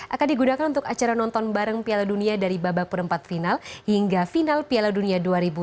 akan digunakan untuk acara nonton bareng piala dunia dari babak perempat final hingga final piala dunia dua ribu delapan belas